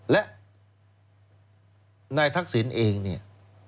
และนายทักษิณเองเนี่ย